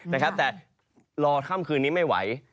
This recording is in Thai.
แต่ครับแต่รอคำคืนนี้ไม่ไหว